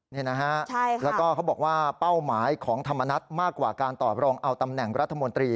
นี่นะฮะแล้วก็เขาบอกว่าเป้าหมายของธรรมนัฐมากกว่าการตอบรองเอาตำแหน่งรัฐมนตรี